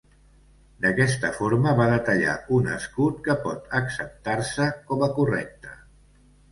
D'aquesta forma va detallar un escut que pot acceptar-se com a correcte.